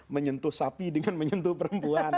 menyentuh sapi dengan menyentuh perempuan